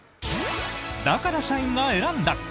だから社員が選んだ！